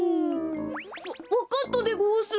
わかったでごわす。